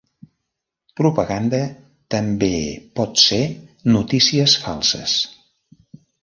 Propaganda també pot ser notícies falses.